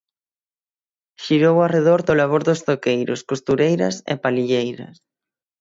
Xirou arredor do labor de zoqueiros, costureiras e palilleiras.